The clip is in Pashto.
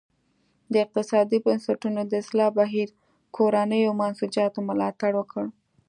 د اقتصادي بنسټونو د اصلاح بهیر کورنیو منسوجاتو ملاتړ وکړ.